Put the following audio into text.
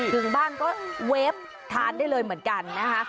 ถึงบ้านก็เวฟทานได้เลยเหมือนกันนะคะ